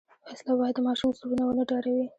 وسله باید د ماشوم زړونه ونه ډاروي